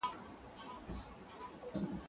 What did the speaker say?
له ما يې پاتې کړل د کلي اخترونه